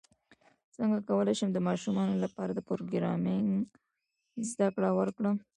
څنګه کولی شم د ماشومانو لپاره د پروګرامینګ زدکړه ورکړم